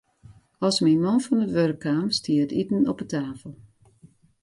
As myn man fan it wurk kaam, stie it iten op 'e tafel.